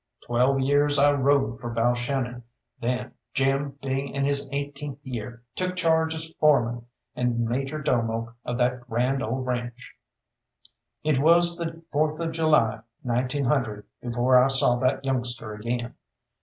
Twelve years I rode for Balshannon, then, Jim being in his eighteenth year, took charge as foreman and major domo of that grand old ranche. It was the 4th of July, 1900, before I saw that youngster again.